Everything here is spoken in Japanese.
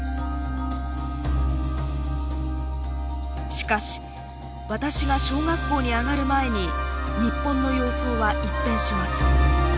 しかし私が小学校に上がる前に日本の様相は一変します。